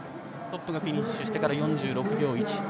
トップがフィニッシュしてから４６秒１。